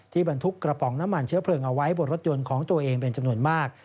บรรทุกกระป๋องน้ำมันเชื้อเพลิงเอาไว้บนรถยนต์ของตัวเองเป็นจำนวนมาก